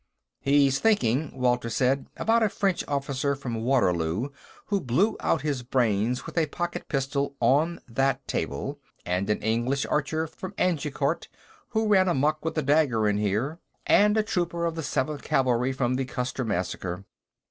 "He's thinking," Walter said, "about a French officer from Waterloo who blew out his brains with a pocket pistol on that table, and an English archer from Agincourt who ran amok with a dagger in here, and a trooper of the Seventh Cavalry from the Custer Massacre."